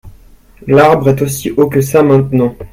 L'arbre est aussi haut que ça maintenant.